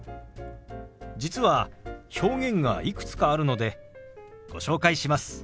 実は表現がいくつかあるのでご紹介します。